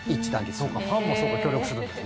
そうかファンも協力するんですね。